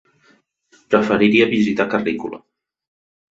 Preferiria visitar Carrícola.